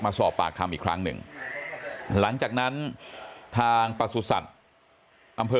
สอบปากคำอีกครั้งหนึ่งหลังจากนั้นทางประสุทธิ์อำเภอ